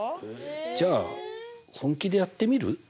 じゃあ本気でやってみる？